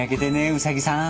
ウサギさん！